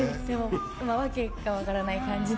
訳が分からない感じで。